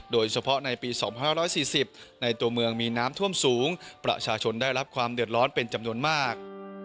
โดยเฉพาะในปี๒๕๔๐ในตัวเมืองมีน้ำท่วมสูงประชาชนได้รับความเดือดร้อนเป็นจำนวนมาก